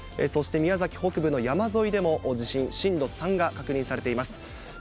そして宮崎北部の山沿いでも地震、震度３が確認されています。